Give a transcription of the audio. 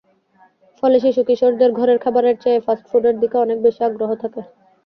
ফলে শিশু-কিশোরদের ঘরের খাবারের চেয়ে ফাস্ট ফুডের দিকে অনেক বেশি আগ্রহ থাকে।